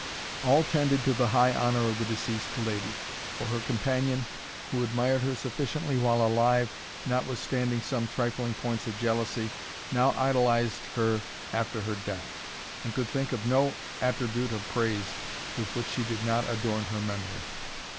All tended to the high honour of the deceased lady; for her companion, who admired her sufficiently while alive, notwithstanding some trifling points of jealousy, now idolized her after her death, and could think of no attribute of praise with which she did not adorn her memory.